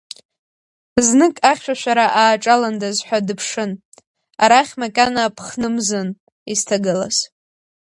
Знык ахьшәашәара ааҿаландаз ҳәа дыԥшын, арахь макьана ԥхны мзын изҭагылаз.